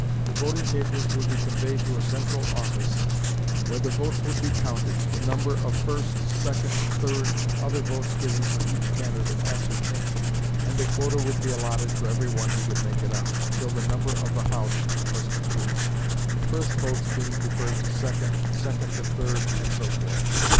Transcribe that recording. The voting papers would be conveyed to a central office, where the votes would be counted, the number of first, second, third, and other votes given for each candidate ascertained, and the quota would be allotted to every one who could make it up, until the number of the House was complete; first votes being preferred to second, second to third, and so forth.